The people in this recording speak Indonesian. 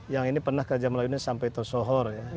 yang ini pernah kerajaan melayu ini sampai tosohor ya